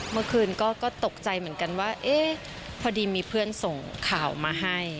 เมื่อคืนก็ตกใจเหมือนกันว่าเอ๊ะพอดีมีเพื่อนส่งข่าวมาให้